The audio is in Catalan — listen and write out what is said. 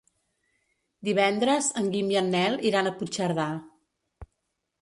Divendres en Guim i en Nel iran a Puigcerdà.